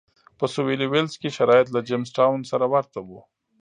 په سوېلي ویلز کې شرایط له جېمز ټاون سره ورته و.